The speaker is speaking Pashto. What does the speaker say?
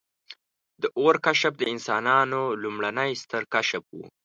• د اور کشف د انسانانو لومړنی ستر کشف و.